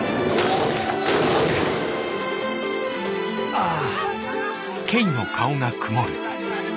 ああ！